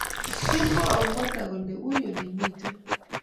kogamwaun kwanda kole iwe olemite